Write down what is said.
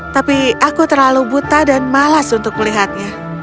tapi aku terlalu buta dan malas untuk melihatnya